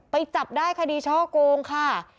จับได้คดีช่อโกงค่ะ